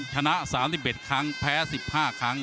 ชนะ๓๑ครั้งแพ้๑๕ครั้ง